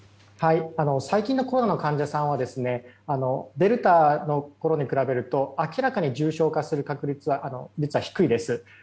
最近のコロナの患者さんはデルタのころに比べると明らかに重症化する確率は低いです。